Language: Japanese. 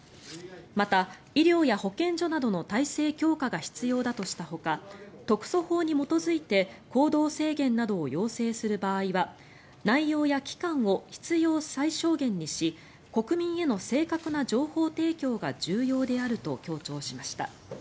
また、医療や保健所などの体制強化が必要だとしたほか特措法に基づいて行動制限などを要請する場合は内容や期間を必要最小限にし国民への正確な情報提供が重要であると強調しました。